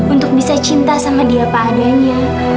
untuk bisa cinta sama dia padanya